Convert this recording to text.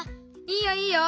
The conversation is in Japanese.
いいよいいよ。